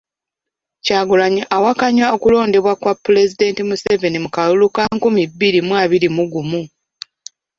Kyagulanyi awakanya okulondebwa kwa Pulezidenti Museveni mu kalulu ka nkumi bbiri mu abiri mu gumu.